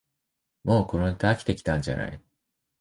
もうこのネタ飽きてきたんじゃない